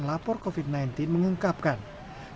situs lapor covid sembilan belas yang kini juga mengapalatable